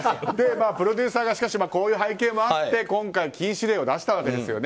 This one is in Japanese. プロデューサーにこういう背景もあって今回、禁止令を出したわけですよね。